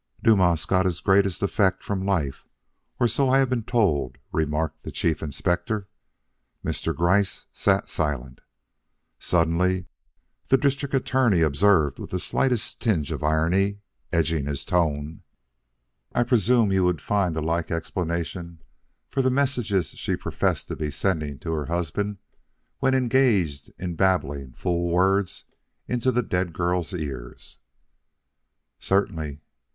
"Dumas got his greatest effects from life, or so I have been told," remarked the Chief Inspector. Mr. Gryce sat silent. Suddenly, the District Attorney observed with the slightest tinge of irony edging his tone: "I presume you would find a like explanation for the messages she professed to be sending to her husband, when engaged in babbling fool words into the dead girl's ear." "Certainly.